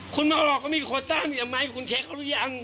คุณมาออกว่ามีโคต้ามีทำไมคุณเช็คเขาหรือยัง